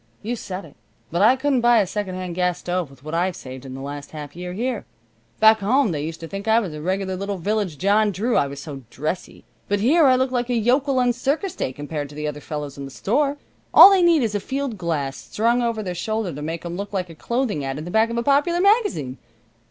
"You said it. But I couldn't buy a secondhand gas stove with what I've saved in the last half year here. Back home they used to think I was a regular little village John Drew, I was so dressy. But here I look like a yokel on circus day compared to the other fellows in the store. All they need is a field glass strung over their shoulder to make them look like a clothing ad in the back of a popular magazine.